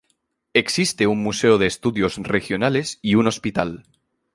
Existe un museo de estudios regionales, y un hospital.